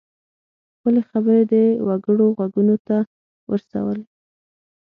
خپلې خبرې د وګړو غوږونو ته ورسولې.